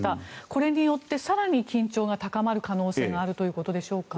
これによって更に緊張が高まる可能性があるということでしょうか？